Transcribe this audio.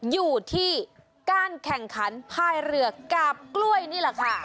อยู่ที่การแข่งขันภายเรือกาบกล้วยนี่แหละค่ะ